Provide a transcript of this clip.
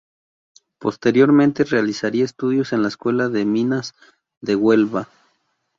Posteriormente realizaría estudios en la Escuela de Minas de Huelva.